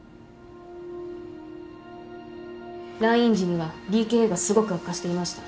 来院時にはＤＫＡがすごく悪化していました。